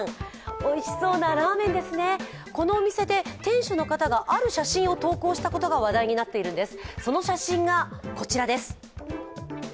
おいしそうなラーメンですね、このお店で店主の方がある写真を投稿したことが話題になっているんです。